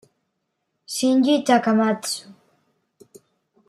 Shinji Takamatsu